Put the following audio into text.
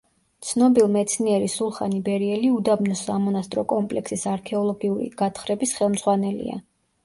ცნობილ მეცნიერი სულხან იბერიელი უდაბნოს სამონასტრო კომპლექსის არქეოლოგიური გათხრების ხელმძღვანელია.